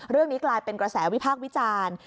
เรื่องนี้กลายเป็นกระแสวิพากษ์วิจารณ์